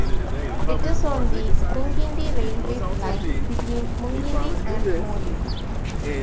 It is on the Mungindi railway line between Mungindi and Moree.